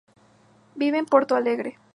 Vive en Porto Alegre.